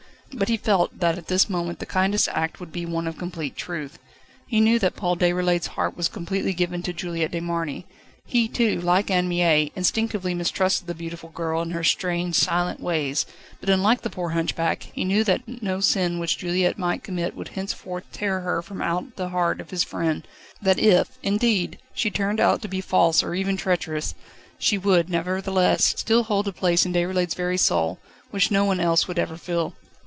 But he felt that at this moment the kindest act would be one of complete truth. He knew that Paul Déroulède's heart was completely given to Juliette de Marny; he too, like Anne Mie, instinctively mistrusted the beautiful girl and her strange, silent ways, but, unlike the poor hunchback, he knew that no sin which Juliette might commit would henceforth tear her from out the heart of his friend; that if, indeed, she turned out to be false, or even treacherous, she would, nevertheless, still hold a place in Déroulède's very soul, which no one else would ever fill.